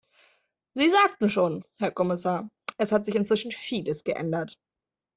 Sie sagten schon, Herr Kommissar, es hat sich inzwischen vieles geändert.